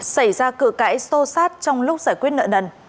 xảy ra cửa cãi sô sát trong lúc giải quyết nợ nần